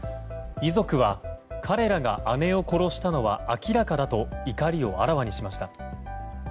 遺族は彼らが姉を殺したのは明らかだと怒りをあらわにしました。